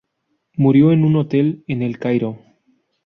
Murió en un hotel en El Cairo.